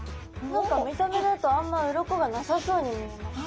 何か見た目だとあんま鱗がなさそうに見えますね。